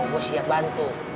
gue siap bantu